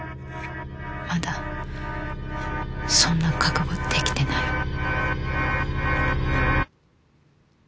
まだそんな覚悟できてない